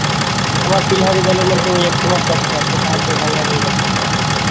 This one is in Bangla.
আমার পিলাহারী দলের মধ্যে ঐ একটিমাত্র অক্ষয় আছে, তাহাকেও ভাঙাইয়া লইবার চেষ্টা!